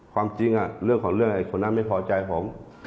ความจริงเรื่องของเรื่องไอ้คนนั้นไม่พอใจผม